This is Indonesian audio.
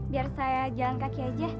biar saya jalan kaki aja